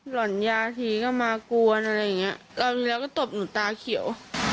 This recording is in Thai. หล่อนยาทีก็มากวนอะไรอย่างนี้เราอยู่แล้วก็ตบหนูตาเขียว